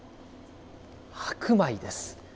白米です。